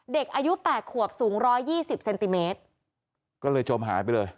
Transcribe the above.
เด็กอายุแปดขวบสูงร้อยยี่สิบเซนติเมตรก็เลยจมหายไปเลย